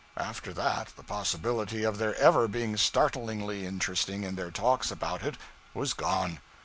After that, the possibility of their ever being startlingly interesting in their talks about it was gone.